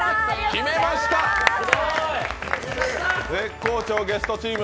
決めました、絶好調ゲストチーム。